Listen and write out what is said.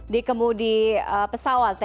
di kemudi pesawat ya